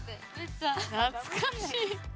懐かしい。